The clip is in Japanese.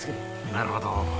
なるほど。